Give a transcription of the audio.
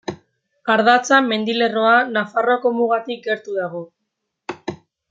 Adartza mendilerroa, Nafarroako mugatik gertu dago.